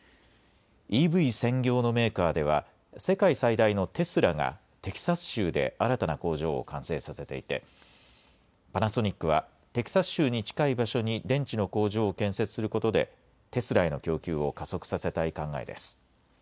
ＥＶ専業のメーカーでは世界最大のテスラがテキサス州で新たな工場を完成させていて、パナソニックはテキサス州に近い場所に電池の工場を建設することでテスラへの供給を加速させたい考えです。